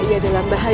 ia dalam bahaya